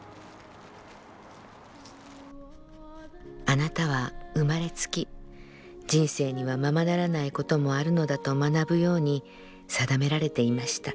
「あなたは生まれつき人生にはままならないこともあるのだと学ぶように定められていました。